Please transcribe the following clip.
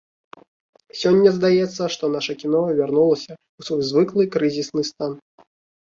Сёння здаецца, што наша кіно вярнулася ў свой звыклы крызісны стан.